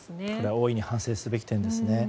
大いに反省すべき点ですね。